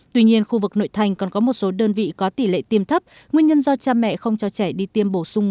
tuy nhiên khu vực nội thành còn có một số đơn vị có tỷ lệ tiêm thấp nguyên nhân do cha mẹ không cho trẻ đi tiêm bổ sung